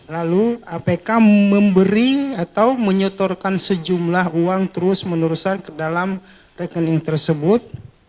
lalu apk memberi atau menyetorkan sejumlah uang terus menerusan ke dalam rekening tersebut